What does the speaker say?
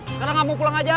sekarang kamu pulang aja